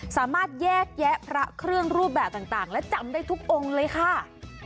สามารถแยกแยะพระเครื่องรูปแบบต่างและจำได้ทุกองค์เลยค่ะ